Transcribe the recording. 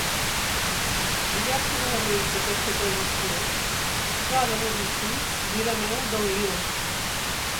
Diversos elements d'aquesta tradició es troben als escrits d'Ireneu de Lió.